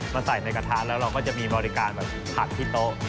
ใส่ในกระทะแล้วเราก็จะมีบริการแบบผัดที่โต๊ะ